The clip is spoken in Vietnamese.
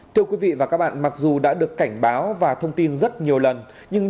thưa quý vị và các bạn mặc dù đã được cảnh báo và thông tin rất nhiều lần nhưng